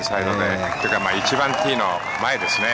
１番ティーの前ですね。